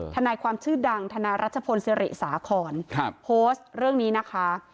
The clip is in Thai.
ทนายความชื่อดังทนายรัชพลศิริสาครโพสต์เรื่องนี้นะคะ